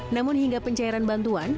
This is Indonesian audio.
namun hingga pencairan bantuan